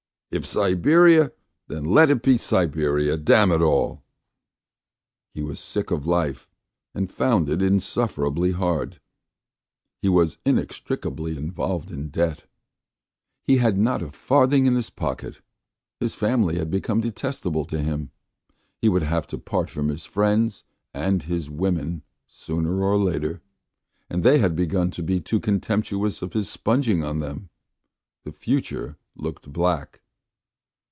"If Siberia, then let it be Siberia, damn it all!" He was sick of life and found it insufferably hard. He was inextricably involved in debt; he had not a farthing in his pocket; his family had become detestable to him; he would have to part from his friends and his women sooner or later, as they had begun to be too contemptuous of his sponging on them. The future looked black.